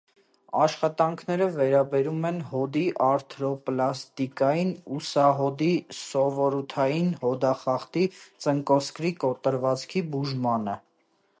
Աշխատանքները վերաբերվում են հոդի արթրոպլաստիկային, ուսահոդի սովորութային հոդախախտի, ծնկոսկրի կոտրվածքի բուժմանը։